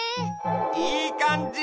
いいかんじ！